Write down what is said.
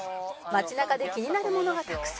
街中で気になるものがたくさん